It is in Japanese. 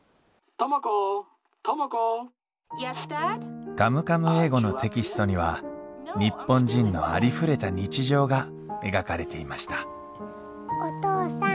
「Ｙｅｓ，Ｄａｄ．」「カムカム英語」のテキストには日本人のありふれた日常が描かれていましたお父さん。